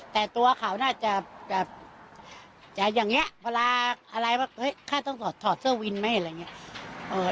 แต่ตัวเขาน่าจะแบบจะอย่างนี้เวลาอะไรว่าข้าต้องถอดเสื้อวินไหมอะไรอย่างนี้